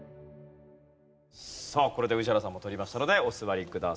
さあこれで宇治原さんも取りましたのでお座りください。